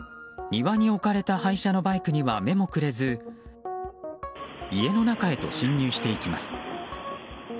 庭に置かれた廃車のバイクには目もくれず家の中へと侵入していきます。